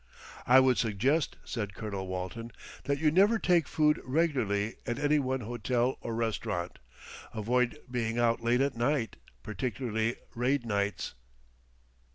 "I would suggest," said Colonel Walton, "that you never take food regularly at any one hotel or restaurant. Avoid being out late at night, particularly raid nights."